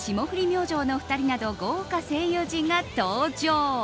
明星の２人など豪華声優陣が登場。